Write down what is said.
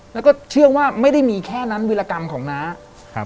แล้วก็เชื่อว่าไม่ได้มีแค่นั้นวิรากรรมของน้าครับ